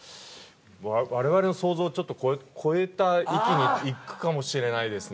我々の想像をちょっと超えた域にいくかもしれないですね。